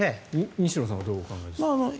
西野さんはどうお考えですか？